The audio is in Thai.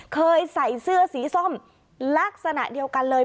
ใส่เสื้อสีส้มลักษณะเดียวกันเลย